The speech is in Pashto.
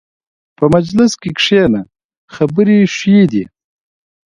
په مجلس کښېنه، خبرې ښې دي.